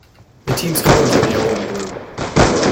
The team's colors are yellow and blue.